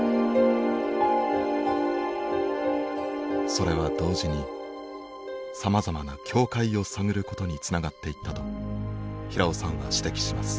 それは同時にさまざまな境界を探ることにつながっていったと平尾さんは指摘します。